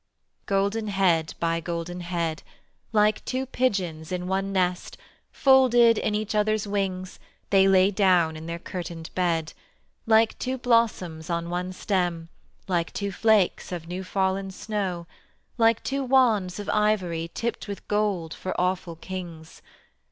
Golden head by golden head, Like two pigeons in one nest Folded in each other's wings, They lay down in their curtained bed: Like two blossoms on one stem, Like two flakes of new fallen snow, Like two wands of ivory Tipped with gold for awful kings.